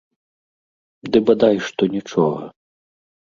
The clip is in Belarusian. Ды бадай што нічога.